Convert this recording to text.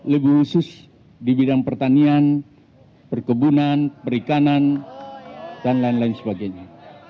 lebih khusus di bidang pertanian perkebunan perikanan dan lain lain sebagainya